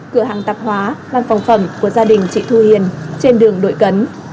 cửa hàng tạp hóa văn phòng phẩm của gia đình chị thu hiền trên đường đội cấn